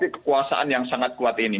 kekuasaan yang sangat kuat ini